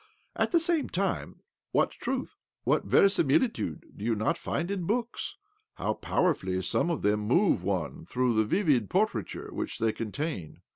At the same time, what truth, what verisimilitude, do you not find in books ! How powerfully some of them move one through the vivid portraiture which they contain